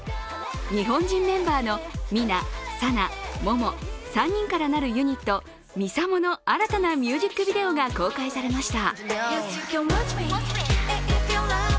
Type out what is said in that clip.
日本人メンバーのＭＩＮＡ、ＳＡＮＡ、ＭＯＭＯ、３人から成るユニットＭＩＳＡＭＯの新たなミュージックビデオが公開されました。